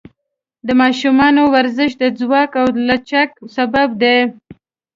د ماشومانو ورزش د ځواک او لچک سبب دی.